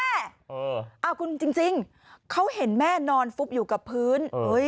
เอาคุณจริงเขาเห็นแม่นอนฟุบอยู่กับพื้น